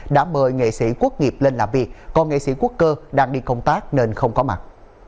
đã mời nghệ sĩ quốc nghiệp lên làm việc còn nghệ sĩ quốc cơ đang đi công tác nên không có mặt